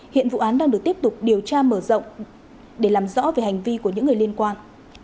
hiện vụ án đang được tiếp tục điều tra mở rộng để làm rõ về hành vi của những người liên quan